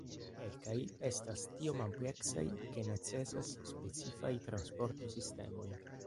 Kelkaj estas tiom ampleksaj ke necesas specifaj transporto-sistemoj.